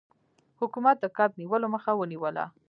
حکومت د کب نیولو مخه ونیوله.